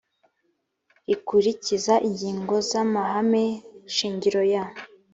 rikurikiza ingingo z amahame shingiro ya